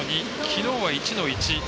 きのうは１の１。